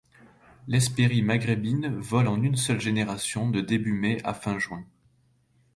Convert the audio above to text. L'Hespérie maghrébine vole en une seule génération de début mai à fin juin.